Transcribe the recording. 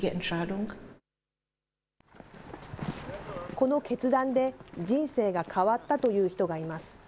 この決断で、人生が変わったという人がいます。